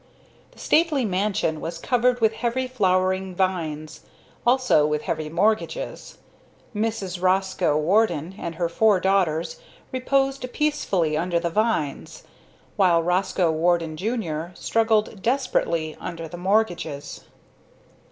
The stately mansion was covered with heavy flowering vines, also with heavy mortgages. Mrs. Roscoe Warden and her four daughters reposed peacefully under the vines, while Roscoe Warden, Jr., struggled desperately under the mortgages.